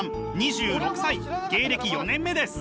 芸歴４年目です。